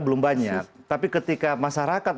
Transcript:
belum banyak tapi ketika masyarakat